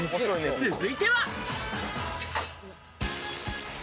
続いては。